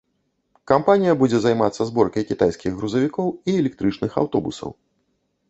Кампанія будзе займацца зборкай кітайскіх грузавікоў і электрычных аўтобусаў.